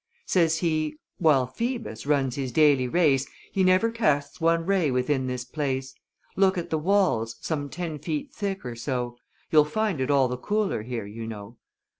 Says he, "While Phoebus runs his daily race, He never casts one ray within this place. Look at the walls, some ten feet thick or so; You'll find it all the cooler here, you know."